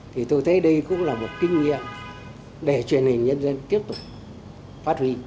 thì tôi thấy đây cũng là một kinh nghiệm để truyền hình nhân dân tiếp tục phát huy